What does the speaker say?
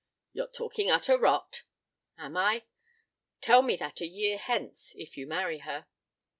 "You're talking utter rot." "Am I? Tell me that a year hence if you marry her."